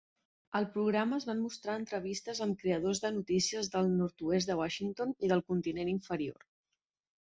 Al programa es van mostrar entrevistes amb creadors de notícies del nord-oest de Washington i del continent inferior.